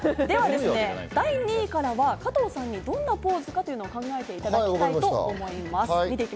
第２位からは加藤さんにどんなポーズかを考えていただきたいと思います。